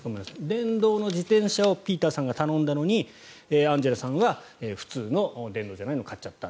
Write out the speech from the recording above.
電動の自転車をピーターさんが頼んだのにアンジェラさんは普通の電動じゃないのを買っちゃった。